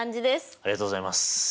ありがとうございます。